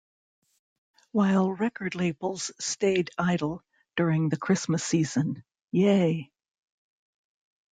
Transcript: While record labels stayed idle during the Christmas season, Yeah!